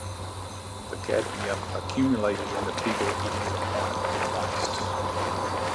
The cadmium accumulated in the people eating contaminated rice.